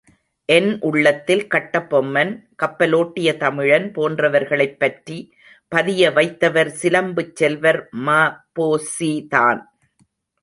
என்உள்ளத்தில், கட்டபொம்மன், கப்பலோட்டிய தமிழன் போன்றவர்களைப் பற்றி பதியவைத்தவர் சிலம்புச் செல்வர் ம.பொ.சி.தான்.